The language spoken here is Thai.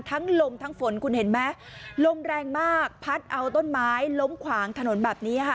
ลมทั้งฝนคุณเห็นไหมลมแรงมากพัดเอาต้นไม้ล้มขวางถนนแบบนี้ค่ะ